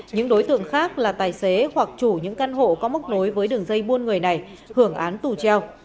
những đối tượng khác là tài xế hoặc chủ những căn hộ có mốc nối với đường dây buôn người này hưởng án tù treo